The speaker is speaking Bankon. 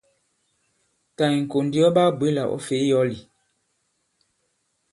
Tà ì-ŋ̀kò ndì ɔ baa-bwě là ɔ̌ fè i yɔ̌l ì?